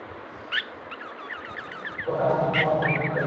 খালিদ নিজের মধ্যে এক প্রকার কম্পন অনুভব করে।